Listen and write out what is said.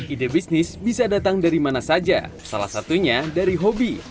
ide bisnis bisa datang dari mana saja salah satunya dari hobi